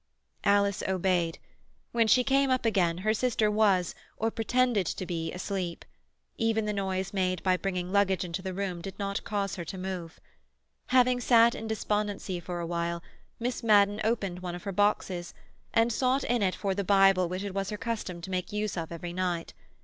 Alice obeyed. When she came up again, her sister was, or pretended to be, asleep; even the noise made by bringing luggage into the room did not cause her to move. Having sat in despondency for a while, Miss Madden opened one of her boxes, and sought in it for the Bible which it was her custom to make use of every night.